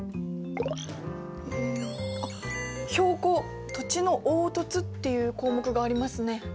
「標高・土地の凹凸」っていう項目がありますね。